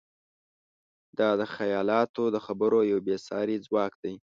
دا د خیالاتو د خبرو یو بېساری ځواک دی.